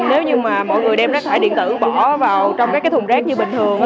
nếu như mà mọi người đem rác thải điện tử bỏ vào trong các cái thùng rác như bình thường